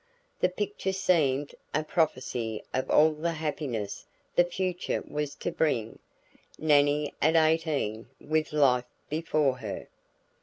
The picture seemed a prophecy of all the happiness the future was to bring. Nannie at eighteen with life before her!